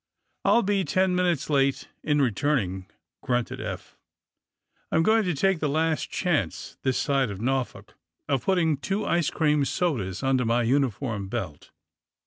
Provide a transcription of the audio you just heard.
^^I'll be ten minutes late in returning," grunted Eph. ^^I'm going to take the last chance, this side of Norfolk, of putting two ice cream sodas under my uniform belt.